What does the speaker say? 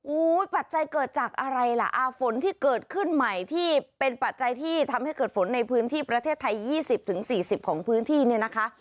ปัจจัยเกิดจากอะไรล่ะฝนที่เกิดขึ้นใหม่ที่เป็นปัจจัยที่ทำให้เกิดฝนในพื้นที่ประเทศไทย๒๐๔๐ของพื้นที่เนี่ยนะคะ